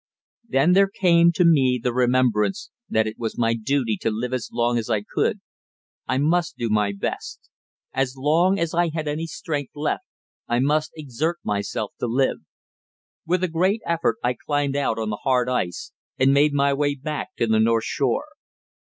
Then there came to me the remembrance that it was my duty to live as long as I could. I must do my best. As long as I had any strength left, I must exert myself to live. With a great effort I climbed out on the hard ice, and made my way back to the north shore.